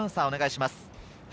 お願いします。